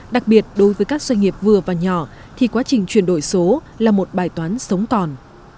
đặc biệt đối với các doanh nghiệp vừa và nhỏ thì quá trình chuyển đổi số là một bài toán sống còn